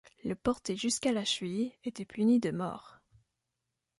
Le porter jusqu'à la cheville était puni de mort.